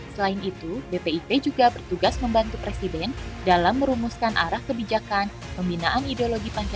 selain itu bpip juga bertugas membantu presiden dalam merumuskan arah kebijakan pembinaan ideologi pancasila